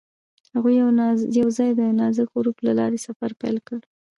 هغوی یوځای د نازک غروب له لارې سفر پیل کړ.